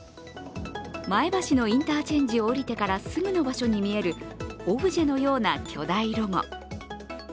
前橋のインターチェンジを降りてからすぐの場所に見えるオブジェのような巨大ロゴ。